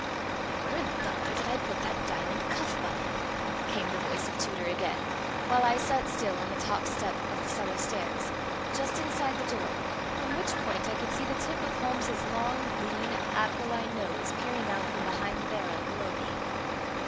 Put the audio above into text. "Now where in thunder did I put that diamond cuff button?" came the voice of Tooter again, while I sat still on the top step of the cellar stairs, just inside the door, from which point I could see the tip of Holmes's long, lean, aquiline nose peering out from behind the barrel below me.